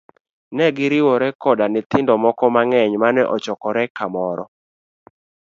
Negiriwore koda nyithindo moko mang'eny mane ochokore kamoro.